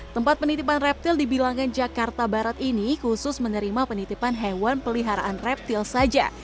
tempat penitipan reptil di bilangan jakarta barat ini khusus menerima penitipan hewan peliharaan reptil saja